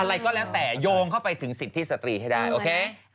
อะไรก็แล้วแต่โยงเข้าไปถึงสิทธิสตรีให้ได้โอเค